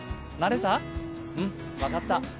うん、分かった。